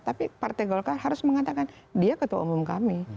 tapi partai golkar harus mengatakan dia ketua umum kami